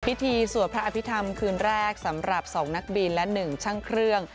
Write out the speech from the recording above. สวดพระอภิษฐรรมคืนแรกสำหรับ๒นักบินและ๑ช่างเครื่อง